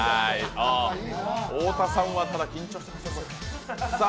太田さんは、ただ緊張してますね。